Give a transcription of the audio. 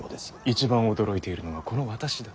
一番驚いているのはこの私だ。